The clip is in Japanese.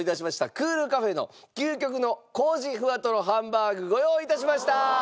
クールカフェの究極の麹フワとろハンバーグご用意致しました！